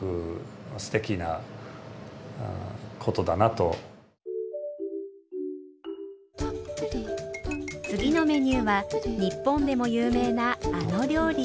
っていうのは次のメニューは日本でも有名なあの料理。